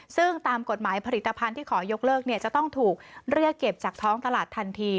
ซึ่งตามกฎหมายผลิตภัณฑ์ที่ขอยกเลิกจะต้องถูกเรียกเก็บจากท้องตลาดทันที